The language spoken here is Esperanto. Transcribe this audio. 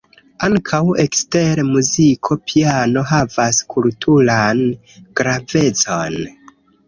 Ankaŭ ekster muziko piano havas kulturan gravecon.